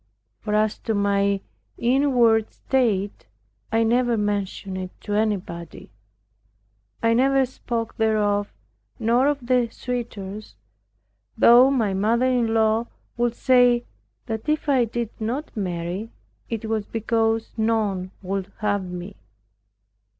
For as to my inward state, I never mentioned it to anybody. I never spoke thereof, nor of the suitors, though my mother in law would say that if I did not marry, it was because none would have me.